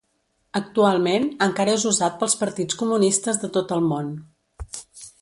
Actualment encara és usat pels partits comunistes de tot el món.